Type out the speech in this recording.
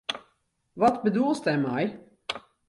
Wat bedoelst dêrmei?